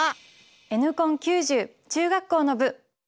「Ｎコン９０」中学校の部。